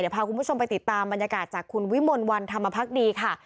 พาคุณผู้ชมไปติดตามบรรยากาศจากคุณวิมลวันธรรมพักดีค่ะ